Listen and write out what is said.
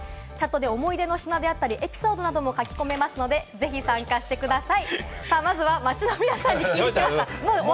チャットで見たときは、エピソードなども書き込めますので、ぜひ参加してみてください。